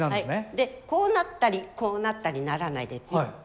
でこうなったりこうなったりならないでピッと。